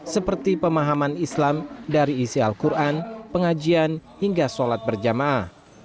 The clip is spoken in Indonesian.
seperti pemahaman islam dari isi al quran pengajian hingga sholat berjamaah